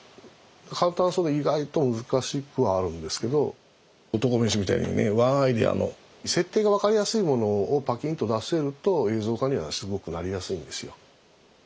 簡単そうで意外と難しくはあるんですけど「侠飯」みたいにねワンアイデアの設定が分かりやすいものをパキンと出せると映像化にはすごくなりやすいんですよ。